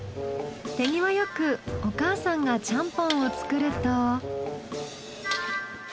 手際よくお母さんがちゃんぽんを作ると。